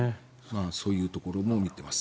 そういうところも見ています。